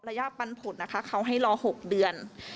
ปันผลนะคะเขาให้รอ๖เดือน